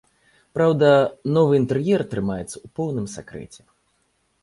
Праўда, новы інтэр'ер трымаецца ў поўным сакрэце.